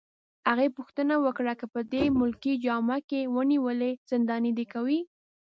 هغې پوښتنه وکړه: که په دې ملکي جامه کي ونیولې، زنداني دي کوي؟